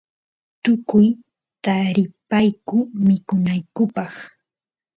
tukuy taripayku mikunaykupaq